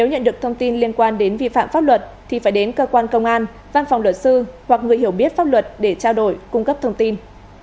nếu không có pháp luật thì phải đến cơ quan công an văn phòng luật sư hoặc người hiểu biết pháp luật để trao đổi cung cấp thông tin